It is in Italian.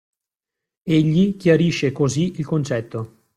Egli chiarisce così il concetto.